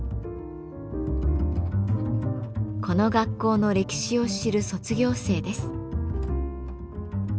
この学校の歴史を知る卒業生です。